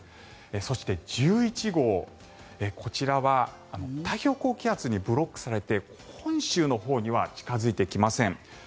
そして１１号、こちらは太平洋高気圧にブロックされて本州のほうには近付いてきません。